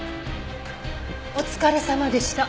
お疲れさまでした。